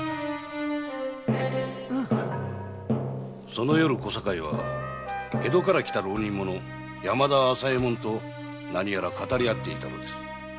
その夜小堺は江戸から来た浪人者山田朝右衛門と何やら語り合っていたのです。